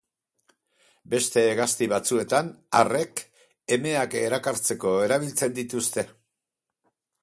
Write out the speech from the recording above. Beste hegazti batzuetan, arrek, emeak erakartzeko erabiltzen dituzte.